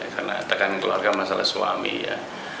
karena tekan keluarga masalah suami ya